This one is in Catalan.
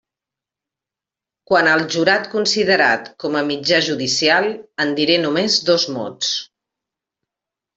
Quant al jurat considerat com a mitjà judicial, en diré només dos mots.